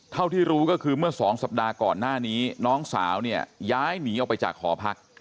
เท่าที่รู้ก็คือเมื่อสองสัปดาห์ก่อนหน้านี้น้องสาวเนี่ยย้ายหนีออกไปจากหอพัก